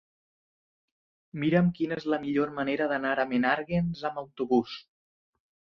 Mira'm quina és la millor manera d'anar a Menàrguens amb autobús.